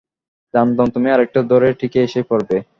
জানতাম তুমি আরেকটা ধরে ঠিকই এসে পড়বে!